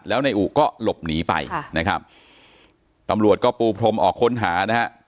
แล้วนายอุก็หลบหนีไปนะครับตำรวจก็ปูพรมออกค้นหานะฮะ